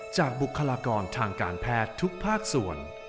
บุคลากรทางการแพทย์ทุกภาคส่วน